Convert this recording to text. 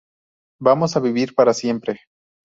Vamos a vivir para siempre!